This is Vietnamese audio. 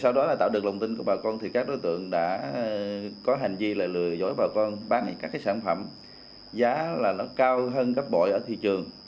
sau đó là tạo được lòng tin của bà con thì các đối tượng đã có hành vi là lừa dối bà con bán các cái sản phẩm giá là nó cao hơn gấp bội ở thị trường